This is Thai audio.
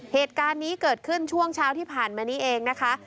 เหตุการณ์นี้เกิดขึ้นช่วงเช้าที่ผ่านมานี้เองนะคะ